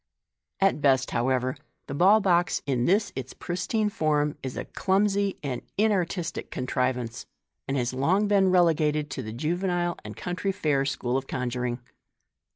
At best, how ever, the ball box, in this its pristine form, is a clumsy and inartistic contrivance, and has long been relegated to the juvenile and country fair school of conjuring.